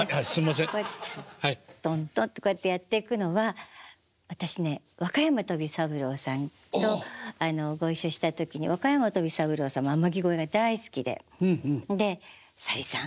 トントンとこうやってやっていくのは私ね若山富三郎さんとご一緒した時に若山富三郎さんも「天城越え」が大好きでで「さゆりさん